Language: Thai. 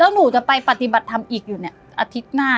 หนูจะไปปฏิบัติธรรมอีกอยู่เนี่ยอาทิตย์หน้า